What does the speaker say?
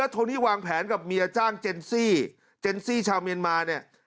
โทนี่วางแผนกับเมียจ้างเจนซี่เจนซี่ชาวเมียนมาเนี่ย